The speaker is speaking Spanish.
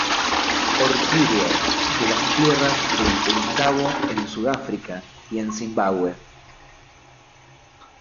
Orquídeas de las tierras de El Cabo en Sudáfrica y en Zimbabue.